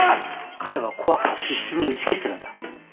彼は怖くて必死に打ち消してるんだ。